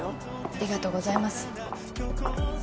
ありがとうございます。